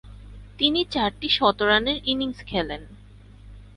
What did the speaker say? তিনি চারটি শতরানের ইনিংস খেলেন।